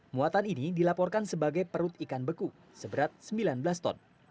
muatan ini dilaporkan sebagai perut ikan beku seberat sembilan belas ton